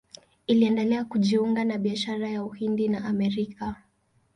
Iliendelea kujiunga na biashara ya Uhindi na Amerika.